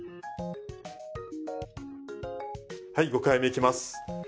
はい５回目いきます。